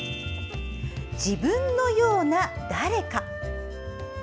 「自分のような誰か」。